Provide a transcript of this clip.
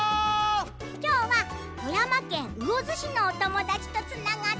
きょうは富山県魚津市のおともだちとつながっているよ。